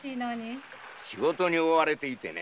仕事に追われていてね。